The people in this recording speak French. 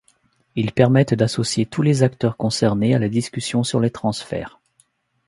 Ils permettent d'associer tous les acteurs concernés à la discussion sur les transferts.